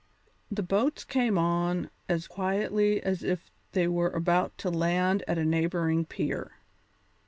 The boats came on as quietly as if they were about to land at a neighbouring pier.